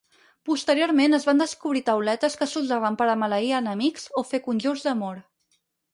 Posteriorment, es van descobrir tauletes que s'usaven per a maleir enemics o fer conjurs d'amor.